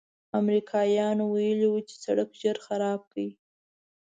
امریکایانو ویلي و چې سړک ژر خراب کړي.